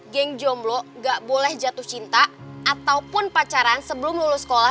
geng jomblo gak boleh jatuh cinta ataupun pacaran sebelum lulus sekolah